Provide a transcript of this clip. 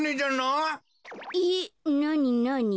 えっなになに？